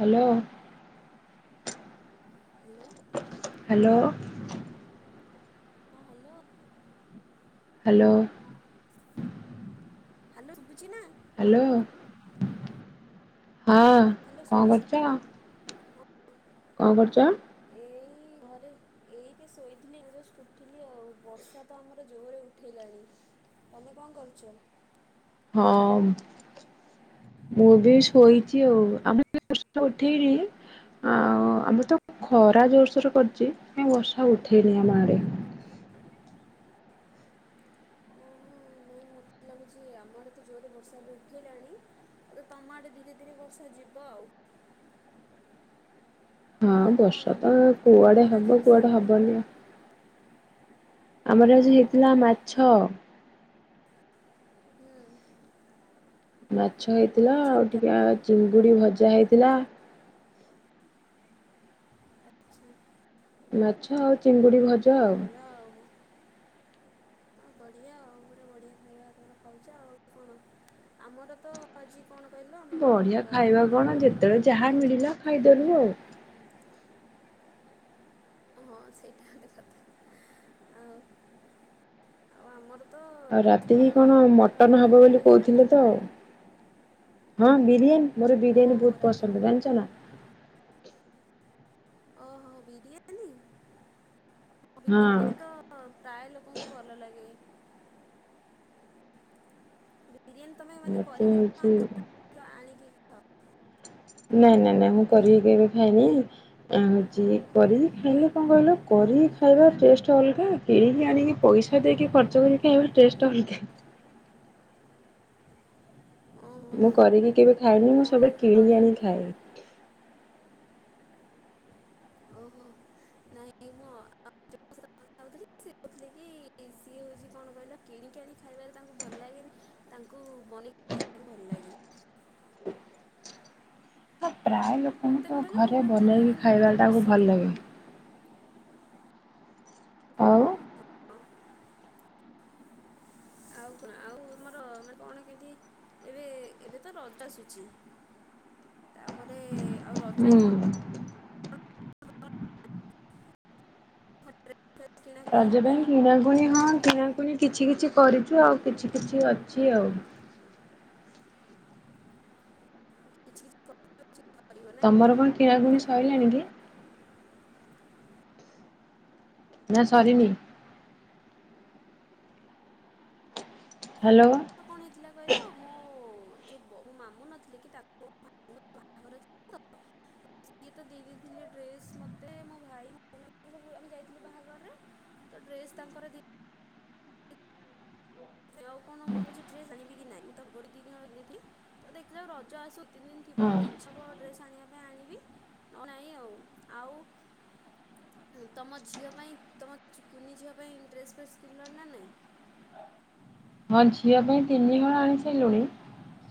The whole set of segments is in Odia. ହ୍ୟାଲୋ। ହ୍ୟାଲୋ। ହ୍ୟାଲୋ। ହଁ ହ୍ୟାଲୋ। ହ୍ୟାଲୋ। ହ୍ୟାଲୋ ଶୁଭୁଛିି ନା? ହ୍ୟାଲୋ। ହଁ ହ୍ୟାଲୋ କଣ ଶୁଭୁଛି କରୁଚ? ହଁ କଣ କରୁଚ? ଏଇ ଘରେ ଏଇଠେ ଶୋଇଥିଲି ଜଷ୍ଟ ଉଠିଲି ଆଉ ବର୍ଷା ତ ଆମର ଜୋରରେ ଉଠେଇଲାଣି ତମେ କଣ କରୁଚ? ହଁ ମୁଁ ବି ଶୋଇଚି ଆଉ ଆମେ ବି ବର୍ଷା ଉଠେଇନି ଆଉ ଆମେ ତ ଖରା ଜୋରସୋରେ କରିଚି ବର୍ଷା ଉଠେଇନି ଆମ ଆଡେ। ଓହୋ ନାଇଁ ମତେ ଲାଗୁଚି ଆମର ତ ଜୋରେ ବର୍ଷା ବି ଉଠେଇଲାଣି ହେଠୁ ତମ ଆଡେ ଧୀରେ ଧୀରେ ବର୍ଷା ଯିବ ଆଉ। ହଁ ଆଉ କଣ? ବର୍ଷା ତ ଆଉ କୁଆଡେ କଣ ଆଜି ହବ ରୋଷେଇ କୁଆଡେ କଲ ହବନି ଆଉ। ହୁଁ ଆମର ଆଜି ହେଇଥିଲା ମାଛ। ହୁଁ ମାଛ ଛ ହେଇଥିଲା ମାଛ ଆଉ ହେଇଥିଲା ଟିକେ ଆ ଚିଙ୍ଗୁଡ଼ି ଭଜା ହେଇଥିଲା। ଆଛା। ମାଛ ଆଉ ଚିଙ୍ଗୁଡି ଭଜା ଆଉ। ହଁ ବଢିଆ ଆଉ ପୁରା ବଢିଆ ଖାଇବା ତମର ଖାଉଚ ଆଉ। କଣ ଆମର ତ ଆଜି କଣ କହିଲ ଆମର ବଢିଆ ଗରମ ଖାଇବା ଭାତ କଣ ପଖାଳ ଭାତ ଯେତେବେଳେ ଯାହା ଦୁଇଟାଯାକ ଥିଲା ମିଳିଲା ଖାଇଦେଲୁ ଆଉ। ହଁ ସେଇଟା ଗୋଟେ କଥା ଆଉ ଆଉ ଆମର ତ ଆଉ ଆଜି ରାତିକି ଗରମ ଭାତ କଣ ପଖାଳ ଭାତ ମଟନ ହବ ଦୁଇଟାଯାକ ବୋଲି ହେଇଥିଲା କୋହୁଥିଲେ ତ ଆଉ। ହଁ ବିରିୟାନୀ ମୋତେ ବିରିୟାନୀ ଓହୋ ବୋହୁତ ରାତି ପସନ୍ଦ। ଜାଣିଚ ନା? ଓହୋ ବିରିୟାନି ହଁ ବିରିୟାନୀ ହଁ ତ ପ୍ରାୟେ ଲୋକଙ୍କୁ ଭଲ ଲାଗେ। ବିରିୟାନୀ ତୁମେ ମାନେ ମତେ କରିକି ହଉଛି ଖାଅ ନା [unintelligible] ଆଣିକି ଖା ନାଇଁ ନାଇଁ ନାଇଁ ମୁଁ କରିକି କେବେ ଖାଇନି। ଆଁ ହୋଉଚି କରିକି ଖାଇଲେ କଣ କହିଲ କରି ଖାଇବା ଟେଷ୍ଟ ଅଲଗା କିଣିକି ଆଣିକି ପଇସା ଦେଇକି ଖର୍ଚ୍ଚ କରି ଖାଇବା ଟେଷ୍ଟ ଅଲଗା। ଓହୋ ମୁଁ କରିକି କେବେ ଖାଏନି ମୁଁ ହଁ ସବୁବେଳେ ଆଉ କିଣିକି ଜଣ ଆଣି ଖାଏ। ଓହୋ ନାଇଁ ମୁଁ ଅ [unintelligible] କୋହୁଥିଲେ କି ସିଏ ହୋଉଚି କଣ କହିଲ କିଣିକି ଆଣି ଖାଇବାରେ ତାଙ୍କୁ ଭଲ ଲାଗେନି ତାଙ୍କୁ ବନେଇକି ଖାଇବାକୁ ଭଲ ଲାଗେ। ଆଉ ପ୍ରାୟ ଲୋକଙ୍କୁ ମୋତେ ତ କ'ଣ କହିଲ ଘରେ ମୋର ବିରିୟାନୀ ବନେଇକି ମୋର ଖାଇବା ଏତେ ଟାକୁ ପସନ୍ଦ ଭଲ ନୁହଁ ଲାଗେ। ଆଉ ଅ ଆଉ କଣ ଆଉ ତମର ମାନେ କଣ କେମିତି ଏବେ ଏବେ ତ ରଜ ଆସୁଛି। ତାପରେ ଆଉ ରଜ ପାଇଁ କଣ ହୁଁ। କିଣାକୁଣି ରଜ ପାଇଁ ହେଲାଣି କିଣାକୁଣି ହଁ କିଣାକୁଣି କିଛି କିଛି କରିଛୁ ଆଉ କିଛି କିଛି ଅଛି ଆଉ। କିଛି କିଛି [unintelligible] ନା ତମର କଣ କିଣାକୁଣି ସଇଲାଣି କି? ନା ସରିନି। ହ୍ୟାଲୋ କଣ ହେଇଥିଲା କହିଲ ମୋ ଯଉ ମୋ ମାମୁଁ ନଥିଲେ କି ତାଙ୍କ ପୁଅ ବାହାଘର ଥିଲା ସିଏ ତ ଦେଇ ଦେଇଥିଲେ ଡ୍ରେସ୍ ମୋତେ ମୋ ଭାଇ ମୋ ଭଉଣୀ କୁ ଆମେ ଯାଇଥିଲୁ ବାହାଘରରେ ତ ଡ୍ରେସ୍ ତାଙ୍କର ଦେଇ ଆଉ କଣ ମୁଁ କହୁଛି ଡ୍ରେସ ଆଣିବି କି ନାଇଁ ମୁଁ ତା ପାଇଁ ତ କିଣି ନଥିଲି ତ ଦେଖ ଯଉ ରଜ ଆସୁ ତିନି ଦିନ ଥିବ ହଁ ଯଦି ଇଛା ହବ ଡ୍ରେସ ଆଣିବା ପାଇଁ ଆଣିବି ନହେଲେ ନାଇଁ ଆଉ ଆଉ ତମ ଝିଅ ପାଇଁ କୁନି ଝିଅ ପାଇଁ ଡ୍ରେସ ଫ୍ରେସ କିଣିଲଣି ନା ନାଇଁ? ହଁ ଝିଅ ପାଇଁ ତିନିହଳ ଆଣି ସାଇଲୁଣି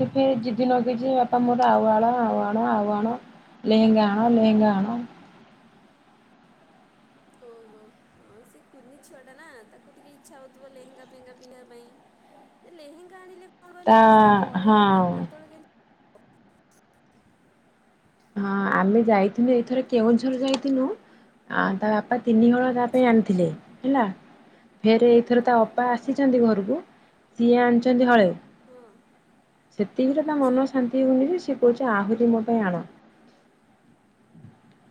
ସେ ଫେର୍ ଯିଦି ନଗେଇଛି ବାପା ମୋର ଆଉ ଆଣ ଆଉ ଆଣ ଆଉ ଆଣ ଲେହେଙ୍ଗା ଆଣ ଲେହେଙ୍ଗା ଆଣ। ଓହୋ ହ ସେ କୁନି ଛୁଆ ଟା ନା ତାକୁ ଟିକେ ଇଚ୍ଛା ହଉଥିବ ଲେହେଙ୍ଗା ଫେହେଙ୍ଗା ପିନ୍ଧିବା ପାଇଁ ଲେହେଙ୍ଗା ଆଣିଲେ କଣ ତା କହିଲ ସେଇ ଥରେ ଅଧେ ହଁ। କେତେବେଳେ କେମିତି ହଁ ଆମେ ଯାଇଥିଲୁ ଏଥର କେଉଁଝର ଯାଇଥିଲୁ ତା ବାପା ତିନିହଳ ତା ପାଇଁ ଆଚ୍ଛା ଆଣିଥିଲେ ହେଲା ଫେରେ ଏକ ଫେର ତା ଅପା ଓହୋ ଆସିଛନ୍ତି ଘରକୁ ସିଏ ଆଣିଛନ୍ତି ହଳେ ହଁ ସେତିକିରେ ତା ଆଚ୍ଛା ମନ ଶାନ୍ତି ହଉନି ଯେ ସିଏ କହୁଛି ଆହୁରି ମୋ ପାଇଁ ଆଣ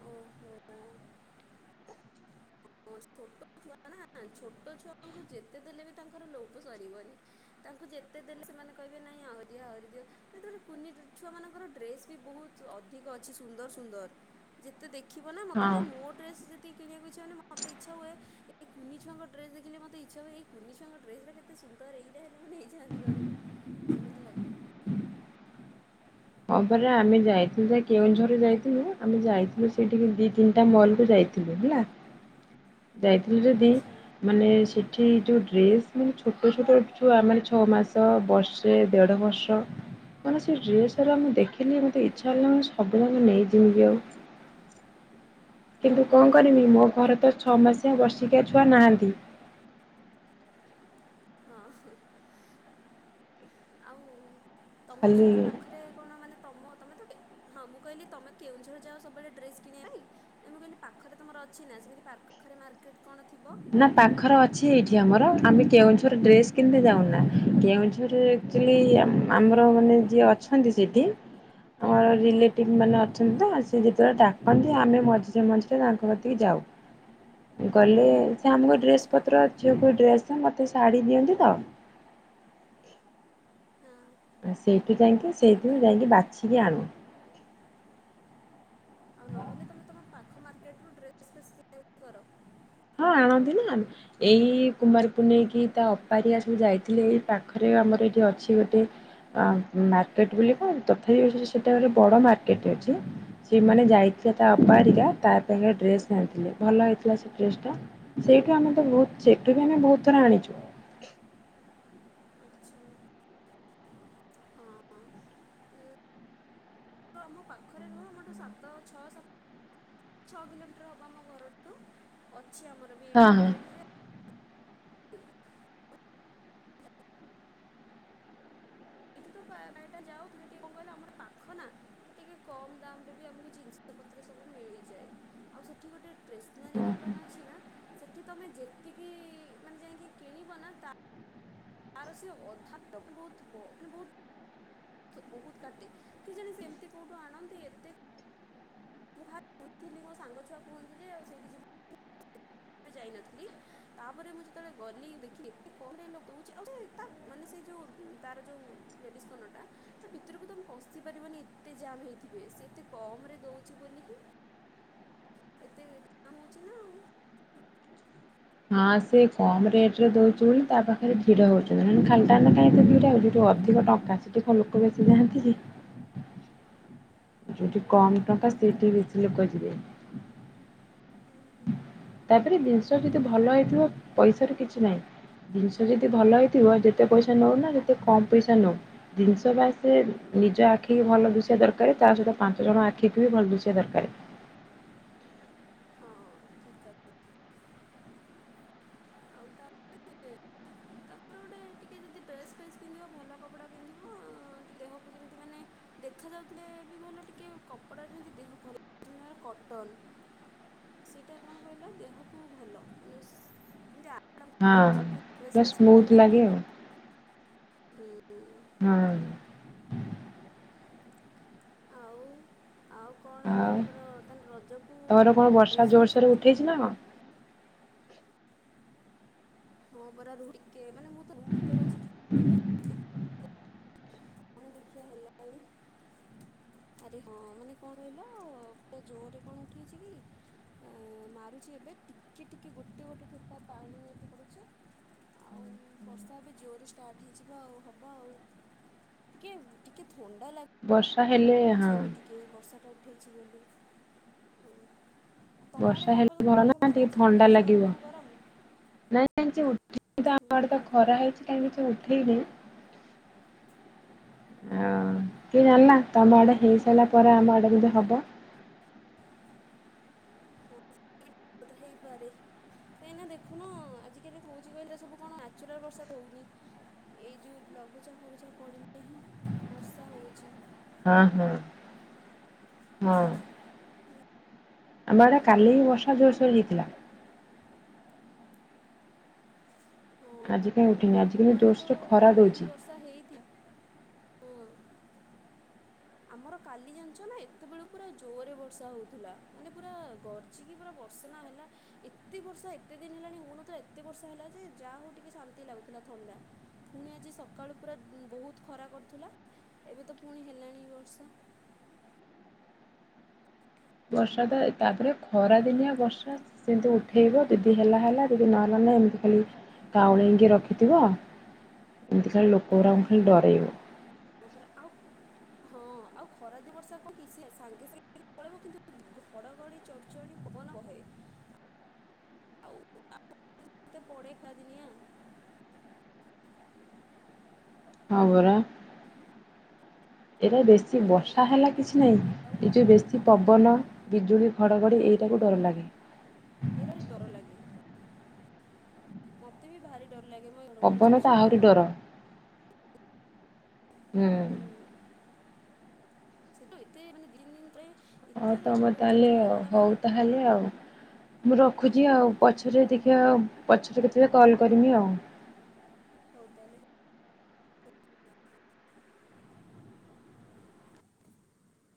ଓହୋ ହଁ ଛୋଟ ଛୁଆ ନା ଛୋଟ ଛୁଆଙ୍କୁ ଯେତେ ଦେଲେ ବି ତାଙ୍କର ଲୋଭ ସରିବନି ତାଙ୍କୁ ଯେତେ ଦେଲେ ସେମାନେ କହିବେ ନାଇଁ ଆହୁରିଆ ଆହୁରି ଦିଅଟ କୁନି ଛୁଆ ମାନଙ୍କର ଡ୍ରେସ୍ ବି ବହୁତ ଅଧିକ ଅଛି ସୁନ୍ଦର ସୁନ୍ଦର ଯେତେ ଦେଖି ଦେଖିବ ନା ମୋତେ ହଁ ନା ମୋ ଡ୍ରେସ ଯଦି କିଣିବାକୁ ଇଛା ହଉନି ମତେ ଇଚ୍ଛା ହୁଏ ଏ କୁନି ଛୁଆଙ୍କ ଡ୍ରେସ ଦେଖିଲେ ମତେ ଇଚ୍ଛା ହୁଏନି କୁନି ଛୁଆଙ୍କ ଡ୍ରେସ ଟା କେତେ ସୁନ୍ଦର ହେଇଥାଏ ହେଲେ ମୁଁ ନେଇଯାଆନ୍ତି ଘରକୁ ସେମିତି ଲାଗେ ହଁ ପରା ଆମେ ଯାଇଥିଲୁ ଯେ କେଉଁଝର ଯାଇଥିଲୁ ଆମେ ଯାଇଥିଲୁ ସେଇଠିକି ଦି ତିନିଟା ମଲକୁୁ ଯାଇଥିଲୁ ହେଲା ଯାଇଥିଲୁ ଯଦି ଆଚ୍ଛା ମାନେ ସେ ଏଠି ଯୋଉ ଡ୍ରେସ ମାନେ ଛୋଟ ଛୋଟ ଯୋଉ ଆମର ଛଅ ମାସ ବର୍ଷେ ଦେଢ ବର୍ଷ ମାନେ ସେ ଡ୍ରେସ ମୁଁ ଦେଖିଲି ମତେ ଇଚ୍ଛା ହେଲା ମୁ ସବୁଯାକ ନେଇଯିବି କି ଆଉ। କିନ୍ତୁ କଣ କରିବି ମୋ ତ ଘର ଛଅ ଛୋଟ ମାସିଆ ବର୍ଷି ଛୁଆ ନାହାନ୍ତି। ହଁ ଆଉ ତମର ସେଠି ଖାଲି ପାଖରେ କଣ ମାନେ ତମ ତମେ ତ ହଁ ମୁଁ କହିଲି ତମେ କେଉଁଝର ଯାଅ ସବୁବେଳେ ଡ୍ରେସ କିଣିବା ପାଇଁ ମୁଁ କହିଲି ପାଖରେ ତମର ଅଛି ନା ସେମିତି ପାଖରେ ମାର୍କେଟ କଣ ଥିବ। ନା ପାଖରେ ଅଛି ଏଇଠି ଆମର ଆମେ କେଉଁଝର ଡ୍ରେସ୍ କିଣି ଯାଉନା କେଉଁଝର ଆଚୁଆଲି ଆମର ମାନେ ଯିଏ ଅଛନ୍ତି ସେଠି ଆମର ରିଲେଟିଭ ମାନେ ଅଛନ୍ତି ତ ହଁ ସେ ଯେତେବେଳେ ଡାକନ୍ତି ଆମେ ମଝିରେ ମଝିରେ ତାଙ୍କ କତିକି ଯାଉ ଗଲେ ସେ ଆମକୁ ଡ୍ରେସ ଆଚ୍ଛା ପତ୍ର ଝିକୁ ଡ୍ରେସ ମତେ ଶାଢୀ ଦିଅନ୍ତି ତ। ହଁ ଆ ସସେଇଠି ଯାଇକି ସେଇଥିରୁଁ ଆଚ୍ଛା ଯାଇକି ବାଛିକି ଆଣୁ। ଆଉ ନହେଲେ ତମେ ତମ ପା ପାଖ ମାର୍କେଟରୁୁ ଡ୍ରେସ୍ ଫ୍ରେସ କିଣା କିଣି କର। ହଁ ଆଣନ୍ତି ନା ଏଇ କୁମାରୀ ପୁନେଇ କିି ତା ଅପାହାରିକା ସବୁ ଯାଇଥିଲେ ଏଇ ପାଖରେ ଆମର ଏଇଠି ଅଛି ଗୋଟେ ମାର୍କେଟ ବୋଲି କଣ ତଥାପି ସେଟା ଗୋଟେ ବଡ ମାର୍କେଟ ଅଛି ସେମାନେ ଯାଇଥିଲେ ତା ଅପାହାରିକା ତା ପାଖରେ ଡ୍ରେସ ଆଣିଥିଲେ ଭଲ ହେଇଥିଲା ସେ ଡ୍ରେସ ଟା ସେଇଠୁ ଆମେ ତ ବହୁତ ସେଇଠୁ ବି ଆମେ ବହୁତ ଥର ଆଣିଛୁ। ଆଛା ହଁ ଆମ ପାଖରେ ନୁହଁ ଆମଠୁ ସାତ ଛଅ ସାତ ଛଅ କିଲୋମିଟର ହବ ଆମ ଘରଠୁ ଅଛି ଆମର ବି ହଁ ଏଇଠି ହଁ। ମାର୍କେଟ ଯେ ଏଇଠି ତ ଏଟା ଯାଉ ଟିକେ କଣ କହିଲା ଆମର ପାଖ ନା ତ ଟିକେ କମ ଦାମ ରେ ବି ଆମକୁ ଜିନିଷ ପତ୍ର ସବୁ ମିଳିଯାଏ। ଆଉ ସେଠି ଗୋଟେ ଷ୍ଟେସନାରୀ ଓହୋ। ଦୋକାନ ଅଛି ନା ସେଠି ତମେ ଯେତିକି ମାନେ ଯାଇକି କିଣିବ ନା ତାର ସେ ଅଧାଟ ବହୁତ ମାନେ ବହୁତ ବହୁତ କାଟେ କେ ଜାଣି ସେ ଏମିତି କୋଉଠୁ ଆଣନ୍ତି ଏତେ ମୁଁ ଭାବୁଥିଲି ମୋ ସାଙ୍ଗ ଛୁଆ କୁହନ୍ତି ଯେ ଆଉ ସେଇଠି ଯ ବେ ଯାଇନଥିଲି ତାପରେ ମୁଁ ଯେତେବେଳେ ଗଲି ଦେଖିଲି ଏତେ କମ ଲୋକ ଦେଉଛି ଆଉ ସେ ତା ମାନେ ସେ ଯେଉଁ ତାର ଯଉ ଲେଡିଜ କନରଟାତା ଭିତରକୁ ତମେ ପଶିପାରିବନି ଏତେ ଜାମ୍ ହେଇଥିବେ ସେ ଏତେ କମ ରେ ଦଉଛି ବୋଲି ହିଁ ଏତେ ଜାମ୍ ହେଉଛି ନା ଆଉ। ହଁ ସେ କମ ରେଟ ରେ ଦଉଛି ବୋଲି ତା ପାଖରେ ଭିଡ ହଉଛନ୍ତି ନ ହେଲେ ଖାଲିଟା ରେ କାଇଁ ଏତେ ଭିଡ ହେବେ ଅଧିକ ଟଙ୍କା ସେଠି ଲୋକ ବେଶୀ ଯାଆନ୍ତି କି? ଯଉଠି କମ ଟଙ୍କା ସେଠି ବେଶୀ ଲୋକ ଯିବେ। ହୁଁ। ତାପରେ ଜିନିଷ ଯଦି ଆଉ ଭଲ ହେଇଥିବ ପଇସାର କିଛି ନାହିଁ ଜିନିଷ ଯଦି ଭଲ ହେଇଥିବ ଯେତେ ପଇସା ନଉନା ଯେତେ କମ ପଇସା ନଉ ଜିନିଷ ବାସ ନିଜ ଆଖି ଭଲ ଦୂଷିବା ଦରକାର ତା ସହିତ ପାଞ୍ଚ ଜଣ ଆଖିକୁ ବି ଭଲ ଦୁଷିବା ଦରକାର। ହଁ ଠିକ କଥା ଆଉ ତ [unintelligible] ଟିକେ ଯଦି ଡ୍ରେସ ଫେସ୍ ପିନ୍ଧିବ ଭଲ କପଡା ପିନ୍ଧିବ ଟିକେ ଦେହକୁ ଯେମିତି ମାନେ ଦେଖା ଯାଉଥିଲେ ବି ଭଲ ଟିକେ କପଡା ଯେମିତି ଦେହ ଭଲ ଯେମିତି କଟନ ସେଇଟା କଣ କହିଲ ଦେହକୁ ଭଲ ମାନେ ଯେମିତି ଆ ହଁ ପୁରା ସ୍ମୁଥ ଲାଗେ ଆଉ। ହୁଁ ହୁଁ। ହଁ। ଆଉ ଆଉ କଣ ଏବେ ତମର ତାନେ ରଜ ତର କଣ ବର୍ଷା ଜୋରସୋରେ ଉଠେଇଛି ନା କଣ? ହଁ ପରା ରୁ ଟିକେ ମାନେ ମୁଁ ତ ରୁମ ଭିତରେ ଅଛି [unintelligible] କଣ ହେଲାଣି ଆରେ ହଁ ମାନେ କଣ ରହିଲ ପୁରା ଜୋରେ କଣ ଉଠେଇଛି କି ଉଁ ମାରୁଛି ଏବେ ଟିକେ ଟିକେ ଗୋଟେ ଗୋଟେ ଠୋପା ପାଣି ଏ ପଡୁଛି ଆଉ ବର୍ଷା ଏବେ ଜୋର ରେ ଷ୍ଟାର୍ଟ ହେଇଚି ତ ଆଉ ହବ ଆଉ। ଟିକେ ଟିକେ ଥଣ୍ଡ ବସ୍ ହେଲେ ହଁ। ଏଇ ବର୍ଷାଟା ଉଠେଇଛି ବୋଲି ହଁ। ବର୍ଷା ହେଲେ ଭଲ ନା ଟିକେ ଥଣ୍ଡା ସେ ଗରମ ଲାଗିବ ଆଉ ଗରମ ନାଇଁ। [unintelligible] ହୁଁ ଆମ ଆଡ଼େ ତ ଖରା ହେଇଛି କାଇଁ କିଛି ହଉନି। ଠେଇନି ଆଁ କିଏ ଜାଣିନା ତମ ଆଡେ ହଁ। ହେଇସାରିଲା ପରେ ଆମ ଆଡେ ଯଦି ହବ। ହେଇପାରେ କାହିଁକିନା ଦେଖୁନ ଆଜିକାଲି କହୁଛି କହିଲେ ସବୁ କଣ ନାଚୁରାଲ ବର୍ଷା ହଉନି ଏଇ ଯୋଉ ଲଘୁଚାପ ଫଘୁଚାପ ପଡ଼ିଲେ ହିଁ ବର୍ଷା ହଉଛି। ହଁ ହଁ ହଁ। ଆମ ଆଡ଼େ କାଲି ବି ବର୍ଷା ଜୋରସେ ହେଇଥିଲା। ହଁ। ଆଜି ଉଠିନି ଆମ ଆଜି କିନ୍ତୁ ଆଡ଼େ ତ ଜୋରସେ ଖରା କାଲି ବି ଦଉଛି। ବର୍ଷା ହେଇଥିଲା ହଁ। ଆମର କାଲି ଜାଣିଛ ନା ଏତେବେଳୁ ପୁରା ଜୋରରେ ବର୍ଷା ହଉଥିଲା ମାନେ ପୁରା ଗର୍ଜିକି ପୁରା ବର୍ଷନା ହେଲା ଏତେ ବର୍ଷା ଏତେ ଦିନ ହେଲାଣି ହେଉ ନଥିଲା ଏତେ ବର୍ଷା ହେଲା ଯେ ଯାହା ହଉ ଟିକେ ଶାନ୍ତି ଲାଗୁଥିଲା ଥଣ୍ଡା ପୁଣି ଆଜି ସକାଳୁ ପୁରା ବହୁତ ଖରା କରୁଥିଲା ଏବେ ତ ପୁଣି ହେଲାଣି ବର୍ଷା। ବର୍ଷା ତ ତାପରେ ଖରା ଦିନିଆ ବର୍ଷା ସେମିତି ଉଠେଇବ ଯଦି ହେଲା ହେଲା ଯଦି ନହେଲା ନାହିଁ ଏମିତି ଖାଲି କାଉଳେଇକି ରଖିଥିବ ଏମିତି ଖାଲି ଲୋକ ଗୁଡାକୁ ଖାଲି ଡରେଇବ। ହଁ ପରା ଆଉ ହଁ ଆଉ ଖରା ଯେ ବର୍ଷା କଣ କିଛି ସାଙ୍ଗେ ସାଙ୍ଗେ ପଳେଇବ କିନ୍ତୁ ଘଡଘଡି ଚଡଚଡି ପବନ ବହେ ଆ [unintelligible] ପଡେ ଖରା ଦିନିଆ। ହଁ ପରା। ଏଟା ବେଶୀ ବର୍ଷା ହେଲା କିଛି ଆଉ ନାହିଁ ଏ ଯଉ ବେଶୀ ପବନ ବିଜୁଳି ଘଡ଼ଘଡ଼ି ଏଇଟାକୁ ଡର ଲାଗେ। ଏଇଟା ଡର ଲାଗେ ମୋତେ ବି ଭାରି ଡର ଲାଗେ ଘଡ଼ଘଡ଼ି ପବନ ତ ଆହୁରି ଚଡଚଡ଼ି ଡର ହୁଁ। ସେଠୁ ଏତେ ମାନେ ଦିନ ଦିନ ପାଇଁ ହଁ ତମେ ତାହେଲେ ଆଉ ହଉ ତାହେଲେ ଆଉ ମୁଁ ରଖୁଛି ଆଉ ହଉ ପଛରେ ଟିକେ ଆଉ ପଛରେ କେତେବେଳେ କଲ କରିମି ଆଉ। [unintelligible]